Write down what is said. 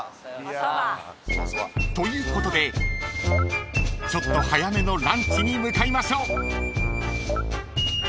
［ということでちょっと早めのランチに向かいましょう］